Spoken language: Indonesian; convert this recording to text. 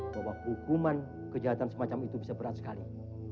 bahwa hukuman kejahatan semacam itu bisa berat sekali